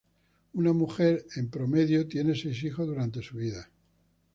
Una mujer en promedio tiene seis hijos durante su vida.